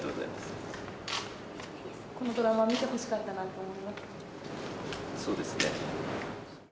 このドラマ見てほしかったなそうですね。